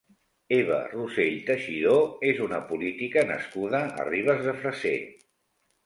Eva Rossell Teixidó és una política nascuda a Ribes de Freser.